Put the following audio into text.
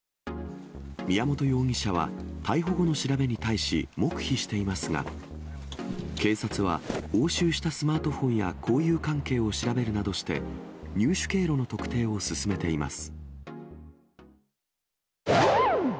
宮本容疑者は、逮捕後の調べに対し、黙秘していますが、警察は押収したスマートフォンや交友関係を調べるなどして、入手経路の特定を進めています。